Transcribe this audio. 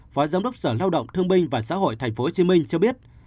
phó giám đốc sở lao động thương binh và xã hội tp hcm cho biết